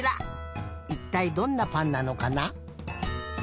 いったいどんなぱんなのかな？